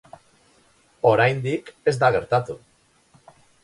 Oraindik ez da gertatu.